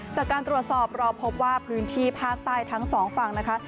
จากการตรวจสอบเราพบว่าพื้นที่ภาคใต้ทั้งสองฝั่งนะคะ